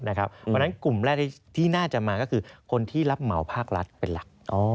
เพราะฉะนั้นกลุ่มแรกที่น่าจะมาก็คือคนที่รับเหมาภาครัฐเป็นหลัก